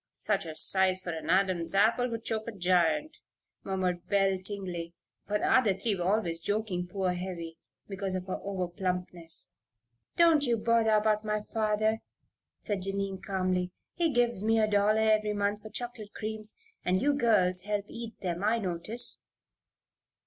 "Such a size for an Adam's apple would choke a giant," murmured Belle Tingley, for the three were always joking poor Heavy because of her over plumpness. "Don't you bother about my father," said Jennie, calmly. "He gives me a dollar every month for chocolate creams, and you girls help eat them, I notice."